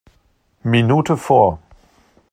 Minute vor.